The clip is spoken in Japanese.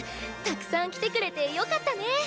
たくさん来てくれてよかったね！